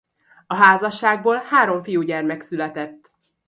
A házasságból három fiúgyermek született.